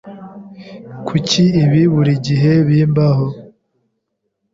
Kuki ibi buri gihe bimbaho?